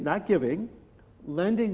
jadi bri juga membeli